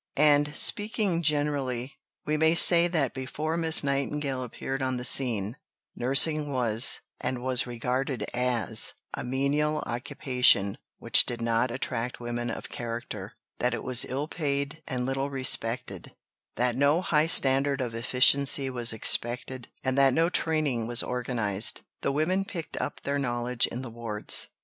And speaking generally, we may say that before Miss Nightingale appeared on the scene, nursing was, and was regarded as, a menial occupation which did not attract women of character; that it was ill paid and little respected; that no high standard of efficiency was expected; and that no training was organized: the women picked up their knowledge in the wards.